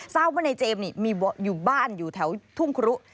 เจ้าบ้านนายเจมส์อยู่บ้านอยู่แถวทุ่งครุ